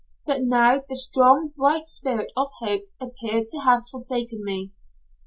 But now the strong bright spirit of hope appeared to have forsaken me.